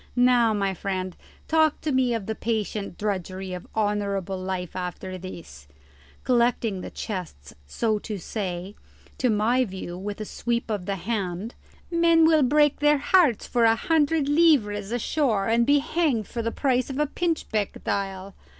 Now, my friend, talk to me of the patient drudgery of honourable life after this," collecting the chests, so to say, to my view with a sweep of the hand; "men will break their hearts for a hundred livres ashore and be hanged for the price of a pinchbeck dial.